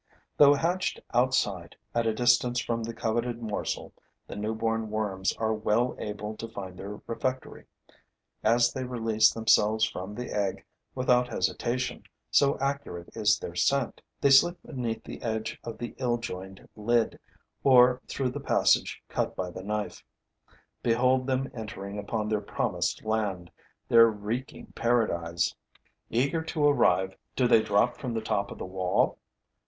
Though hatched outside, at a distance from the coveted morsel, the newborn worms are well able to find their refectory. As they release themselves from the egg, without hesitation, so accurate is their scent, they slip beneath the edge of the ill joined lid, or through the passage cut by the knife. Behold them entering upon their promised land, their reeking paradise. Eager to arrive, do they drop from the top of the wall?